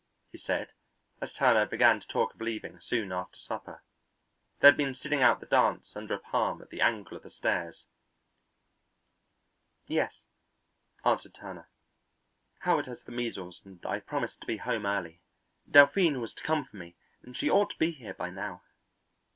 he said, as Turner began to talk of leaving, soon after supper. They had been sitting out the dance under a palm at the angle of the stairs. "Yes," answered Turner; "Howard has the measles and I promised to be home early. Delphine was to come for me and she ought to be here now."